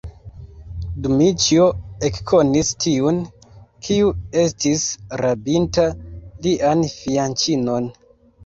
Dmiĉjo ekkonis tiun, kiu estis rabinta lian fianĉinon.